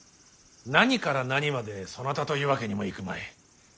何から何までそなたというわけにもいくまい。